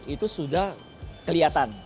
itu sudah kelihatan